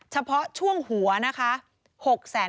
เฉพาะช่วงหัวนะคะ